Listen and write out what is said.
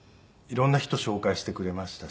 色んな人紹介してくれましたし。